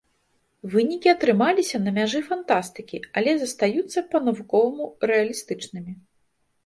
Вынікі атрымаліся на мяжы фантастыкі, але застаюцца па-навуковаму рэалістычнымі.